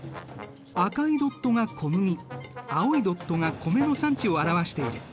赤いドットが小麦青いドットが米の産地を表している。